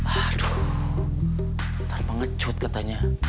aduh ntar pengecut katanya